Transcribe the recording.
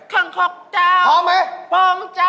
คังคงเจ้าพองเจ้า